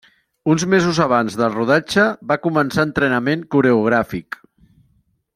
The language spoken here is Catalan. Uns mesos abans del rodatge va començar entrenament coreogràfic.